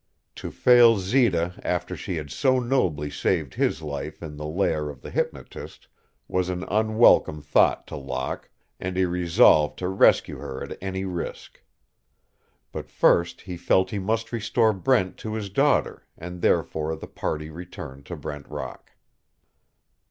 To fail Zita after she had so nobly saved his life in the lair of the hypnotist was an unwelcome thought to Locke, and he resolved to rescue her at any risk. But first he felt he must restore Brent to his daughter, and therefore the party returned to Brent Rock.